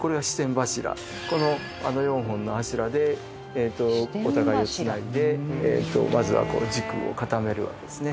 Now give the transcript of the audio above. このあの４本の柱でお互いを繋いでまずは軸を固めるわけですね。